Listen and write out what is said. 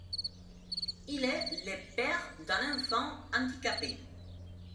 Il est le père d'un enfant handicapé.